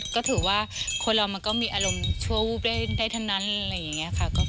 ก็ถือว่าคนเรามันก็มีอารมณ์ชั่ววูบได้ทั้งนั้นอะไรอย่างนี้ค่ะ